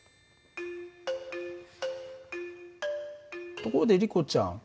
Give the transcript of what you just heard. ところでリコちゃん。